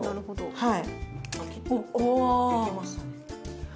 はい。